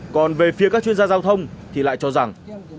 còn về phía các chuyên gia giao thông thì lại cho rằng